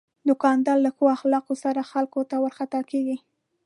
دوکاندار له ښو اخلاقو سره خلکو ته ورخطا کېږي.